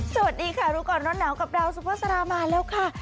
สวัสดีค่ะรู้ก่อนร้อนหนาวกับดาวสุภาษามาแล้วค่ะ